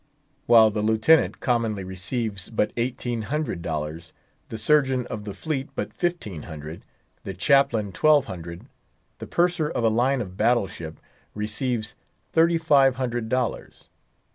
While the Lieutenant commonly receives but eighteen hundred dollars, the Surgeon of the fleet but fifteen hundred, the Chaplain twelve hundred, the Purser of a line of battle ship receives thirty five hundred dollars.